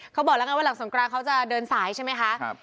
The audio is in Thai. เขาบอกแล้วกันว่าหลังสงกรานเขาจะเดินสายใช่ไหมคะ